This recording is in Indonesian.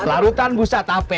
larutan busta tape